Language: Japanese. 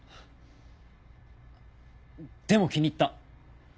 でも気に入った。